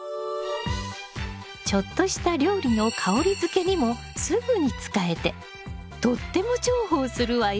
ちょっとした料理の香りづけにもすぐに使えてとっても重宝するわよ。